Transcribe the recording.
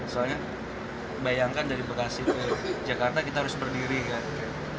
soalnya bayangkan dari bekasi ke jakarta kita harus berdiri kan